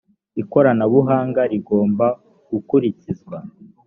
ikoranabuhanga rigomba gukurikizwa.